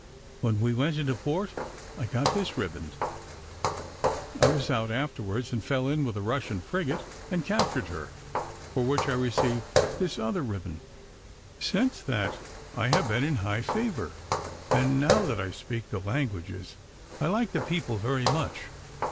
When we went into port I got this riband. I was out afterwards, and fell in with a Russian frigate, and captured her, for which I received this other riband. Since that I have been in high favour, and now that I speak the languages, I like the people very much.